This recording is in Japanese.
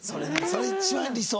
それ一番理想。